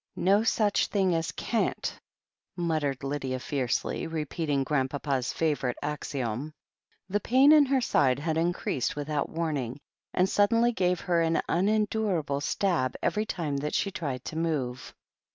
"No such thing as can't," muttered Lydia fiercely, repeating Grandpapa's favourite axiom. The pain in her side had increased without warning, and suddenly gave her an tmendurable stab every time that she tried to move.